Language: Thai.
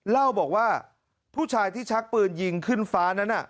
เล่าบอกว่าผู้ชายที่ชักปืนยิงขึ้นฟ้านั้น